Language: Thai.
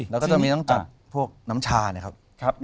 แล้วก็จะต้องจากพวกน้ำชาเนี้ยครับ